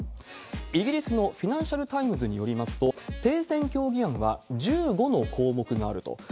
イギリスのフィナンシャルタイムズによりますと、停戦協議案は１５の項目があると。